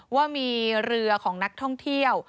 ว่ามีเรือของนักท่องเที่ยว